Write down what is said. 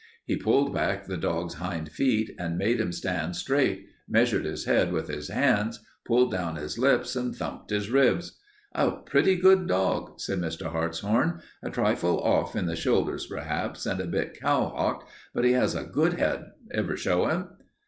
He pulled back the dog's hind feet and made him stand straight, measured his head with his hands, pulled down his lips, and thumped his ribs. "A pretty good dog," said Mr. Hartshorn. "A trifle off in the shoulders, perhaps, and a bit cow hocked, but he has a good head. Ever show him?"